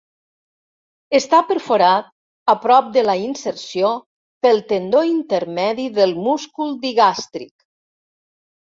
Està perforat, a prop de la inserció, pel tendó intermedi del múscul digàstric.